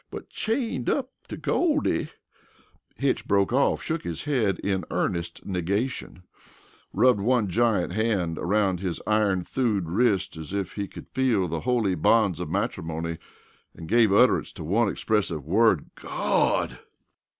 But chained up to Goldie " Hitch broke off, shook his head in earnest negation, rubbed one giant hand around his iron thewed wrist as if he could feel the holy bonds of matrimony and gave utterance to one expressive word: "Gawd!"